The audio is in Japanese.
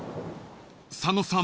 ［佐野さん